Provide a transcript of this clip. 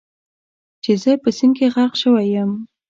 چې زه په سیند کې غرق شوی یم.